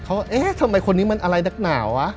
เขาเอ๊ะทำไมคนนี้มันอะไรนักหนาววะ